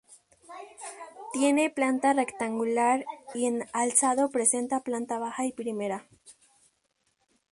Tiene planta rectangular, y en alzado presenta planta baja y primera.